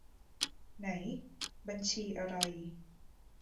ไหน บัญชีอะไร